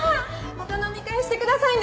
また飲み会してくださいね。